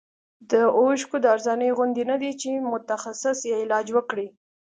د اوښکو د ارزانۍ غوندې نه دی چې متخصص یې علاج وکړي.